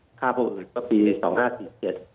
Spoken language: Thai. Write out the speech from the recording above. ผสมของผู้อื่นที่ท่านประโยชน์